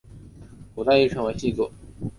古代亦称作细作。